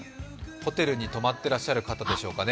ホテルに泊まってらっしゃる方でしょうかね。